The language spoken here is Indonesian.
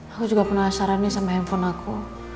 aku juga penasaran nih sama handphone aku